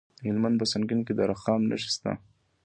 د هلمند په سنګین کې د رخام نښې شته.